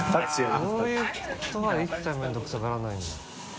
こういうことは一切めんどくさがらないんだ。